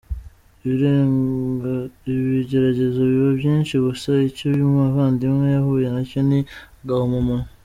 Ibigeragezo biba byinshi, gusa icyo uyu muvandimwe yahuye nacyo ni agahomamunwa!.